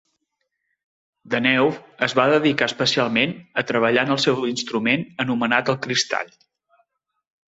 Deneuve es va dedicar especialment a treballar en el seu instrument anomenat el "Cristall".